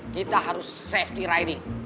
kita harus safety riding